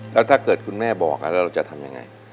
แล้วถ้าเกิดคุณแม่บอกแล้วเราจะทำยังไง